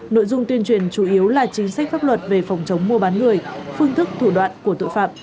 nội dung tuyên truyền chủ yếu là chính sách pháp luật về phòng chống mua bán người phương thức thủ đoạn của tội phạm